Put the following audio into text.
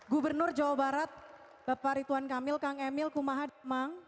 gubernur jawa barat bapak rituan kamil kang emil kumahadmang